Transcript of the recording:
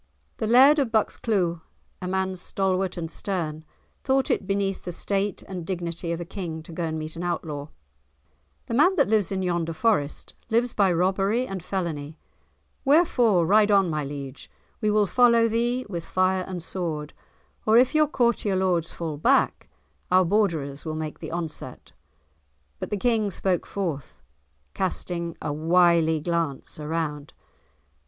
The Laird of Buckscleuth, a man stalwart and stern, thought it beneath the state and dignity of a King to go and meet an Outlaw. "The man that lives in yonder forest, lives by robbery and felony! wherefore, ride on, my liege; we will follow thee with fire and sword; or if your courtier lords fall back, our Borderers will make the onset." But the King spoke forth, casting a wily glance around.